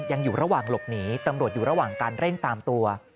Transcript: ยังอยู่ระหว่างหลบหนีตำรวจอยู่ระหว่างการเร่งตามตัว